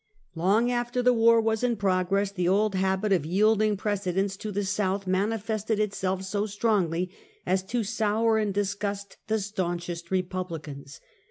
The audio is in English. Long after the war was in progress, the old habit of yielding precedence to the South manifested itself so strongly as to sour and disgust the staunchest Ke publicans.